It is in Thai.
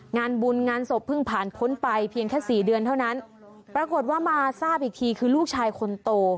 งานบุญงานศพเพิ่งผ่านพ้นไปเพียงแค่สี่เดือนเท่านั้นปรากฏว่ามาทราบอีกทีคือลูกชายคนโต